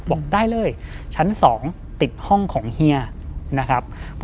บอกได้เลยชั้น๒ติดห้องของเฮียนะครับ